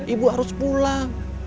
ibu harus pulang